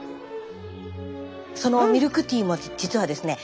そのミルクティーも実はですね